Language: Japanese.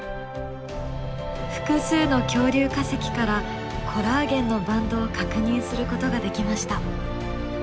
複数の恐竜化石からコラーゲンのバンドを確認することができました。